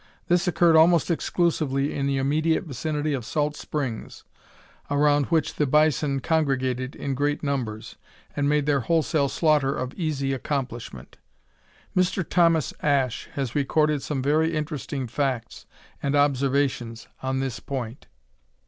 This occurred almost exclusively in the immediate vicinity of salt springs, around which the bison congregated in great numbers, and made their wholesale slaughter of easy accomplishment. Mr. Thomas Ashe has recorded some very interesting facts and observations on this point.